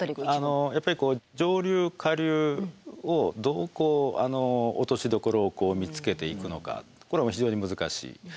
やっぱり上流下流をどう落としどころを見つけていくのかこれは非常に難しい。